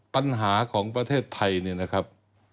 ปัญหาของประเทศไทยเนี่ยนะครับ